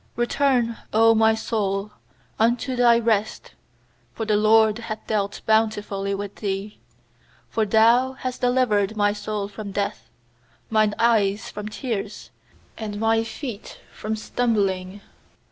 7Return, O my soul, unto thy rest; For the LORD hath dealt bountifully with thee. 8For Thou hast delivered my soul from death, Mine eyes from tears, And my feet from stumbling.